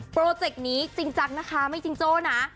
โปรเจกต์นี้จริงจังนะคะไม่จิงโจ้นะ